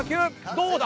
どうだ？